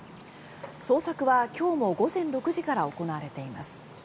捜索は今日も午前６時から行われています。